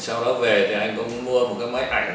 sau đó về thì anh cũng mua một cái máy ảnh